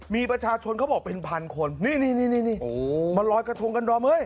มีประชาชนเขาบอกเป็นพันคนนี่นี่นี่นี่โอ้โหมันลอยกระทงกันดอมเฮ้ย